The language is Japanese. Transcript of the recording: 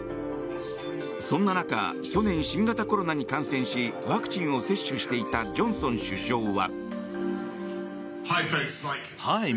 そんな中去年、新型コロナに感染しワクチンを接種していたジョンソン首相は。